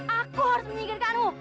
aku harus menyinggirkanmu